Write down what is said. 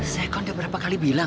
sekon dia berapa kali bilang